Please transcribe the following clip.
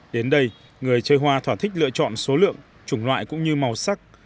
đến đây người chơi hoa thỏa thích lựa chọn số lượng chủng loại cũng như màu sắc